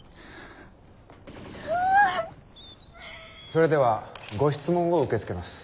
それではご質問を受け付けます。